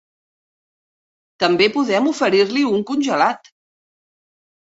També podem oferir-li un congelat.